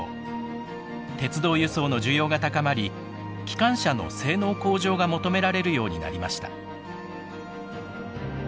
鉄道輸送の需要が高まり機関車の性能向上が求められるようになりました。